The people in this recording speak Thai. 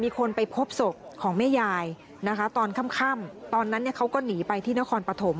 คนไปพบศพของแม่ยายนะคะตอนค่ำตอนนั้นเนี่ยเขาก็หนีไปที่นครปฐม